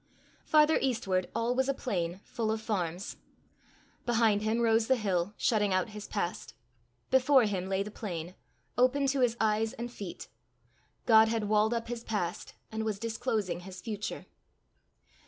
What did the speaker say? Farther eastward all was a plain, full of farms. Behind him rose the hill, shutting out his past; before him lay the plain, open to his eyes and feet. God had walled up his past, and was disclosing his future.